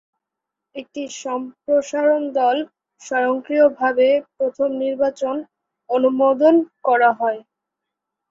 একটি সম্প্রসারণ দল স্বয়ংক্রিয়ভাবে প্রথম নির্বাচন অনুমোদন করা হয়।